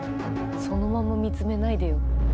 そのまま見つめないでよ。